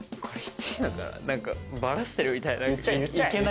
何かバラしてるみたいな。